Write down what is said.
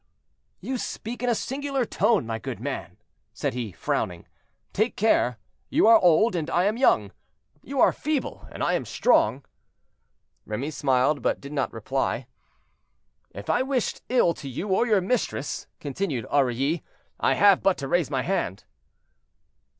"You speak in a singular tone, my good man," said he, frowning; "take care, you are old, and I am young; you are feeble, and I am strong." Remy smiled, but did not reply. "If I wished ill to you or your mistress," continued Aurilly. "I have but to raise my hand."